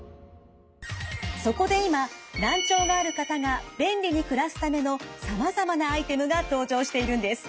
そこで今難聴がある方が便利に暮らすためのさまざまなアイテムが登場しているんです。